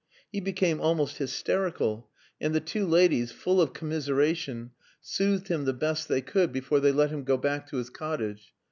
He became almost hysterical, and the two ladies, full of commiseration, soothed him the best they could before they let him go back to his cottage.